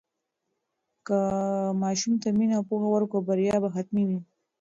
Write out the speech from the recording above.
که ماشوم ته مینه او پوهه ورکړو، بریا به حتمي وي.